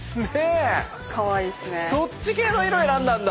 そっち系の色選んだんだ。